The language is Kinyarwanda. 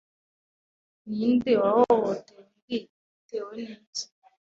Ni nde wahohoteye undi Yaitewe n’iki